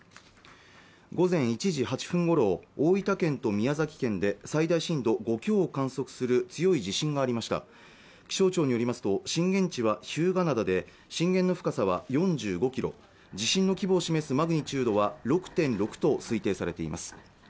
午前１時８分ごろ大分県と宮崎県で最大震度５強を観測する強い地震がありました気象庁によりますと震源地は日向灘で震源の深さは４５キロ地震の規模を示すマグニチュードは６．６と推定されています